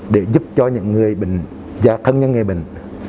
để giúp cho những người bình gia thân những người bình